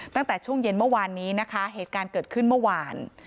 ตั้งแต่ช่วงเย็นเมื่อวานนี้นะคะเหตุการณ์เกิดขึ้นเมื่อวาน